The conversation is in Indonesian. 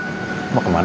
aku mau ke rumah lo